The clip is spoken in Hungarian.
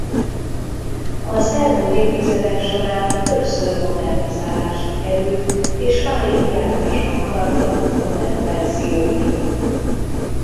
Az elmúlt évtizedek során többször modernizálásra került és máig gyártásban maradtak modern verziói.